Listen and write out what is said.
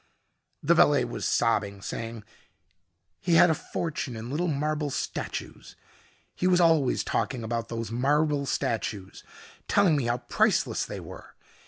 The valet was sobbing, saying, "He had a fortune in little marble statues. He was always talking about those marble statues, telling me how priceless they were.